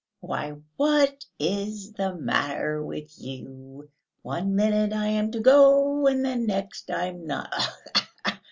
"Why, what is the matter with you! One minute I am to go, and the next I'm not!